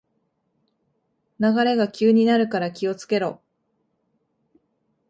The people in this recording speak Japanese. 流れが急になるから気をつけろ